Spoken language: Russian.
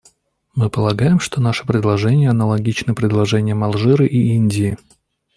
Мы полагаем, что наши предложения аналогичны предложениям Алжира и Индии.